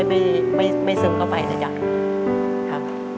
กลมไม่ซึมเข้าไปเรียก